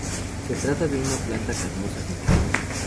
Se trata de una planta carnosa, sin tallo.